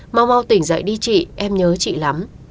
mau tỉnh dậy đi chị em nhớ chị lắm